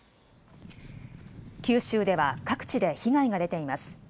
九州では各地で被害が出ています。